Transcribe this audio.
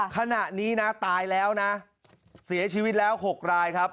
ขณะนี้นะตายแล้วนะเสียชีวิตแล้ว๖รายครับ